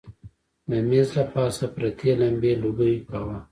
د مېز له پاسه پرتې لمبې لوګی کاوه.